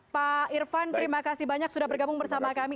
pak irfan terima kasih banyak sudah bergabung bersama kami